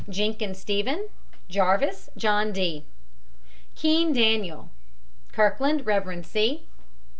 JENKIN, STEPHEN. JARVIS, JOHN D. KEANE, DANIEL. KIRKLAND, REV. C.